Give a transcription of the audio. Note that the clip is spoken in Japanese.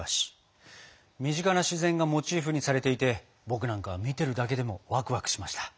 身近な自然がモチーフにされていて僕なんかは見てるだけでもワクワクしました。